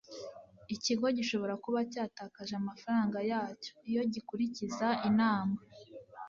Ikigo gishobora kuba cyatakaje amafaranga yacyo iyo gikurikiza inama